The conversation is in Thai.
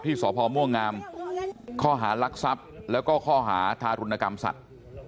สพม่วงงามข้อหารักทรัพย์แล้วก็ข้อหาทารุณกรรมสัตว์